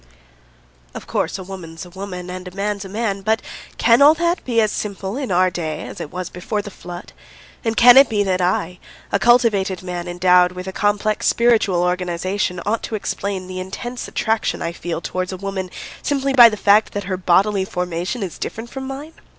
Of course, a woman's a woman and a man's a man, but can all that be as simple in our day as it was before the Flood, and can it be that I, a cultivated man endowed with a complex spiritual organisation, ought to explain the intense attraction I feel towards a woman simply by the fact that her bodily formation is different from mine?